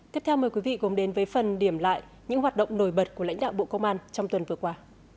tiếp theo mời quý vị cùng đến với phần điểm lại những hoạt động nổi bật của lãnh đạo bộ công an trong tuần vừa qua